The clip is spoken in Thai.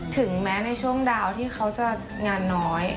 ถึงแม้ในช่วงดาวที่เขาจะงานน้อย